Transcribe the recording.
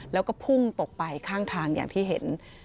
แล้วก็พุ่งตกไปข้างทางอย่างที่เห็น